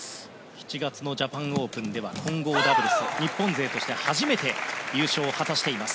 ７月のジャパンオープンでは混合ダブルス日本勢としては初めて優勝を果たしています。